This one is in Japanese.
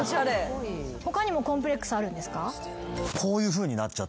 他にもコンプレックスあるんですか？